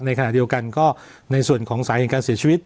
ในขณะเดียวกันก็ในส่วนของสาเหตุการเสียชีวิต